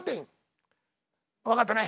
分かったね？